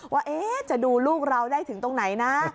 ว่าจะดูลูกเราได้ถึงตรงไหนนะ